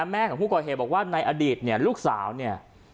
แม่ของผู้ก่อเหตุบอกว่าในอดีตเนี่ยลูกสาวเนี่ย